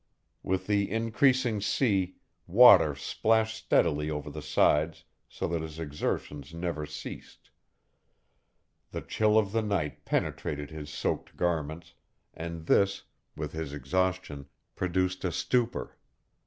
With the increasing sea, water splashed steadily over the sides so that his exertions never ceased. The chill of the night penetrated his soaked garments, and this, with his exhaustion, produced a stupor.